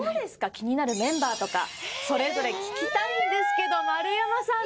気になるメンバーとかそれぞれ聞きたいんですけど丸山さん